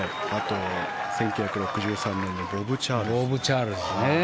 １９６３年のボブ・チャールズ。